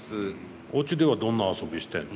おうちではどんな遊びしてんの？